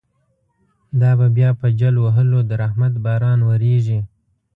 دا به بیا په جل وهلو، د رحمت باران وریږی